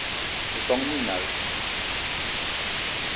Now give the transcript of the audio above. O ton minal